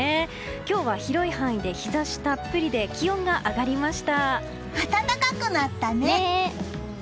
今日は広い範囲で日差したっぷりで暖かくなったね。